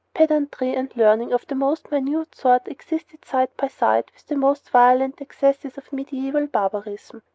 Pedantry and learning of the most minute sort existed side by side with the most violent excesses of medieval barbarism.